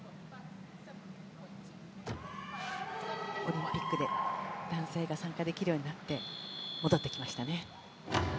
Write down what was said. オリンピックで男性が参加できるようになって戻ってきましたね。